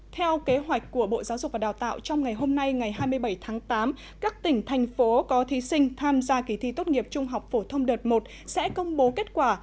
theo kế hoạch của bộ giáo dục và đào tạo trong ngày hôm nay ngày hai mươi bảy tháng tám các tỉnh thành phố có thí sinh tham gia kỳ thi tốt nghiệp trung học phổ thông đợt một sẽ công bố kết quả